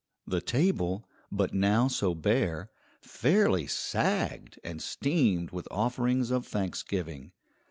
The table, but now so bare, fairly sagged and steamed with offerings of Thanksgiving.